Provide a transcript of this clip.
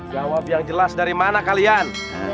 jawab yang jelas dari mana kalian